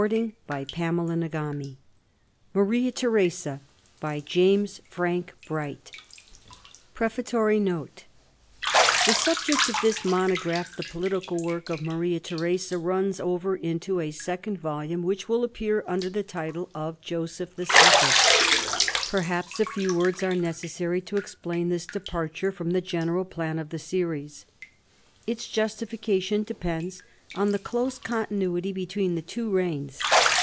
Limited NEW TORE: THE MACMILLAN COMPANY 1897 AU rights reserved PREFATOKY NOTE The subject of this monograph, the political work of Maria Theresa, runs over into a second volume, which will appear under the title of "Joseph II." Perhaps a few words are necessary to explain this departure from the general plan of the series. Its justification depends on the close continuity between the two reigns.